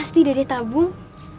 pasti dede tabung